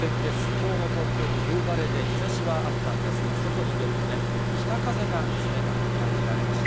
きょうの東京、冬晴れで、日ざしはあったんですが、外に出るとね、北風が冷たく感じられました。